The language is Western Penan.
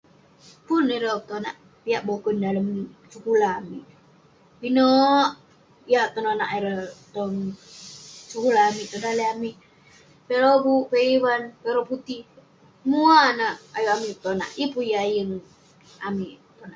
Pun ireh petonak piak boken dalem sekulah amik. Pinek yah tenonak ireh tong sekulah amik, tong daleh amik. Piak lobuk, piak ivan, piak oraputih. Semuah neh ayuk amik petonak, yeng pun yah yeng amik petonak.